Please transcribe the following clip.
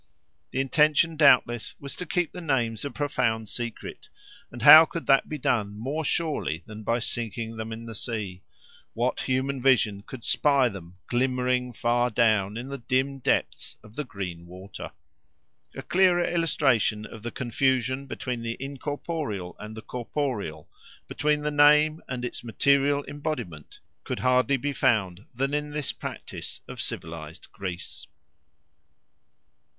The intention doubtless was to keep the names a profound secret; and how could that be done more surely than by sinking them in the sea? what human vision could spy them glimmering far down in the dim depths of the green water? A clearer illustration of the confusion between the incorporeal and the corporeal, between the name and its material embodiment, could hardly be found than in this practice of civilised Greece.